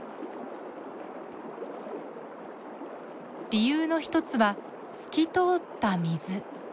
理由の一つは透き通った水。